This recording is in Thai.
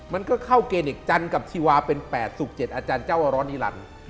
มันก็เข้าเกณฑ์อีกจันทร์กับชีวาเป็น๘ศุกร์๗อาจารย์เจ้าว่าร้อนนิรันดิ์